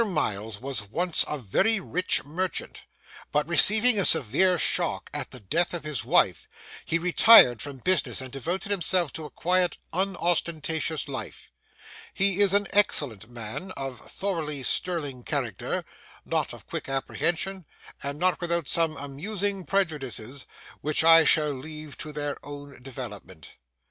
Miles was once a very rich merchant; but receiving a severe shock in the death of his wife, he retired from business, and devoted himself to a quiet, unostentatious life. He is an excellent man, of thoroughly sterling character: not of quick apprehension, and not without some amusing prejudices, which I shall leave to their own development.